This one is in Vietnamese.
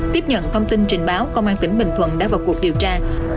tiếp nhận thông tin trình báo công an tỉnh bình thuận đã vào cuộc điều tra